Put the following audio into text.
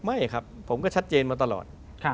ไม่ครับผมก็ชัดเจนมาตลอด